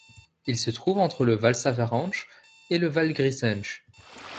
Il se trouve entre le Valsavarenche et le Valgrisenche.